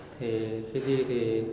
thì khi đi thì